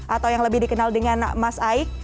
atau yang lebih dikenal dengan mas aik